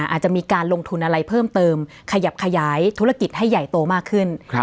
อาจจะมีการลงทุนอะไรเพิ่มเติมขยับขยายธุรกิจให้ใหญ่โตมากขึ้น